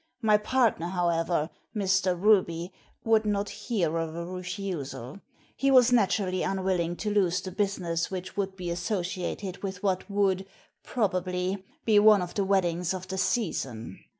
My partner, however, Mr. Ruby, would not hear of a refusal He was naturally unwilling to lose the business which would be associated with what would, probably, be one of the weddings of the season.